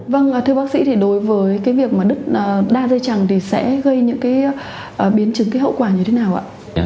vâng thưa bác sĩ thì đối với việc đứt đa dây chẳng thì sẽ gây những biến chứng hậu quả như thế nào ạ